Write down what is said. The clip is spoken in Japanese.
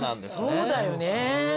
そうだよね。